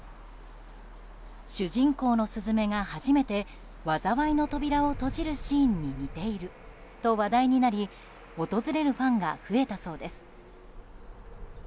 主人公の鈴芽が初めて災いの扉を閉じるシーンに似ていると話題になり訪れるファンが増えたそうです。